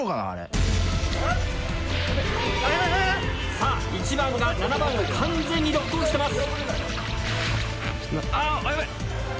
さぁ１番が７番を完全にロックオンしてます。